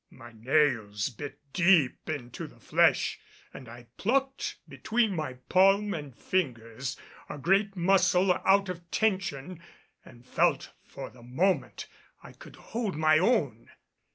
My nails bit deep into the flesh and I plucked between my palm and fingers a great muscle out of tension, and felt for the moment I could hold my own.